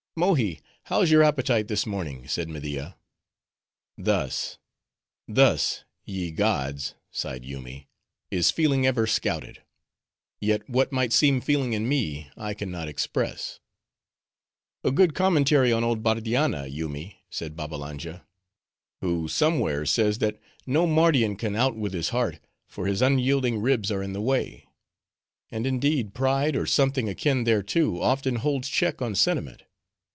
"Mohi, how's your appetite this morning?" said Media. "Thus, thus, ye gods," sighed Yoomy, "is feeling ever scouted. Yet, what might seem feeling in me, I can not express." "A good commentary on old Bardianna, Yoomy," said Babbalanja, "who somewhere says, that no Mardian can out with his heart, for his unyielding ribs are in the way. And indeed, pride, or something akin thereto, often holds check on sentiment.